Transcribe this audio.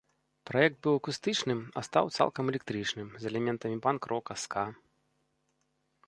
Праект быў акустычным, а стаў цалкам электрычным, з элементамі панк-рока, ска.